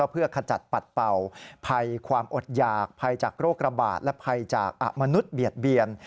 เพื่อขจัดปัดเป่าภัยความอดหยากภัยจากโรคระบาดและภัยจากมนุษย์เบียดเบียน